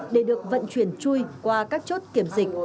để được vận chuyển chui qua các chốt kiểm dịch